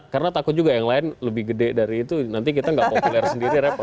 karena takut juga yang lain lebih gede dari itu nanti kita tidak populer sendiri repot